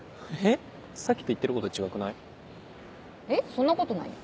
そんなことないよ。